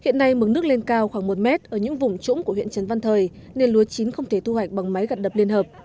hiện nay mực nước lên cao khoảng một mét ở những vùng trũng của huyện trần văn thời nên lúa chín không thể thu hoạch bằng máy gặt đập liên hợp